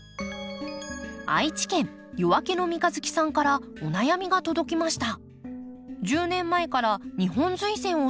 愛知県夜明けの三日月さんからお悩みが届きました。